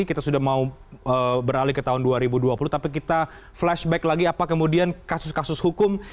kita sudah mau beralih ke tahun dua ribu dua puluh tapi kita flashback lagi apa kemudian kasus kasus hukum